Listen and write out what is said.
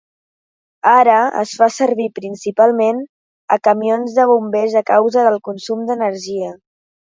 Ara es fa servir principalment a camions de bombers a causa del consum d'energia.